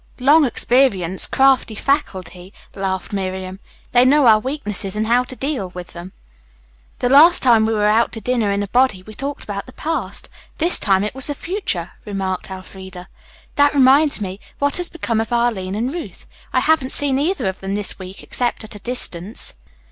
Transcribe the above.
"Long experience, crafty faculty," laughed Miriam. "They know our weaknesses and how to deal with them." "The last time we were out to dinner in a body we talked about the past. This time it was the future," remarked Elfreda. "That reminds me, what has become of Arline and Ruth? I haven't seen either of them this week except at a distance."